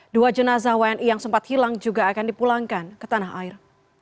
dua jenazah wni yang sempat hilang juga akan dipulangkan ke tanah air